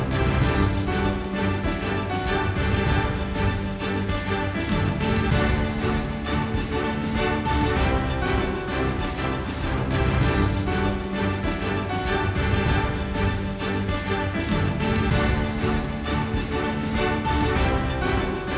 terima kasih dia